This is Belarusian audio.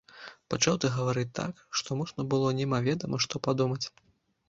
Пачаў ты гаварыць так, што можна было немаведама што падумаць.